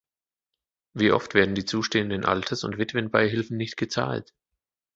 Wie oft werden die zustehenden Alters- und Witwenbeihilfen nicht gezahlt!